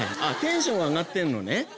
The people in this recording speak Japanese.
あっテンション上がってるのね。